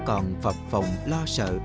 còn phập phòng lo sợ